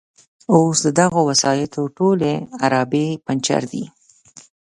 اوس د دغو وسایطو ټولې عرابې پنجر دي.